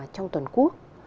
trong toàn quốc